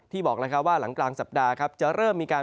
ที่บอกว่าหลังกลางสัปดาห์จะเริ่มมีการ